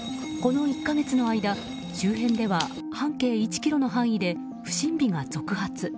この１か月の間周辺では半径１ｋｍの範囲で不審火が続発。